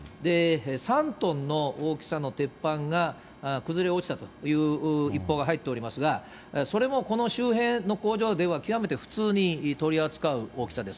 ３トンの大きさの鉄板が崩れ落ちたという一報が入っておりますが、それもこの周辺の工場では極めて普通に取り扱う大きさです。